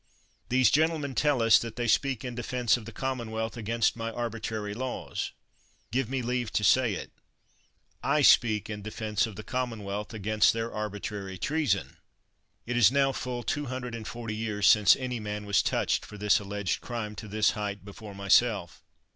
These gentlemen tell us that they speak in defense of the commonwealth against my arbitrary laws. Give me leave to say it. I speak in defense of the commonwealth against their arbitrary treason ! It is now full two hundred and forty years since any man was touched for this alleged crime to this height before myself.